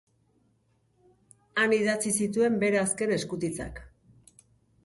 Han idatzi zituen bere azken eskutitzak.